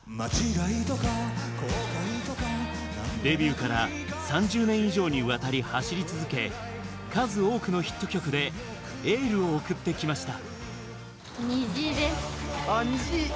デビューから３０年以上にわたり走り続け数多くのヒット曲でエールを送ってきました。